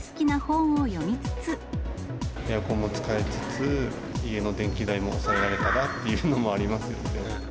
エアコンも使えつつ、家の電気代も抑えられたらっていうのもありますよね。